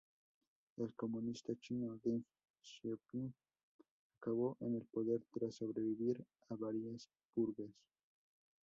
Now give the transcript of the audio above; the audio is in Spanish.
El comunista chino Deng Xiaoping acabó en el poder tras sobrevivir a varias purgas.